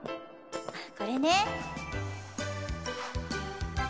これね。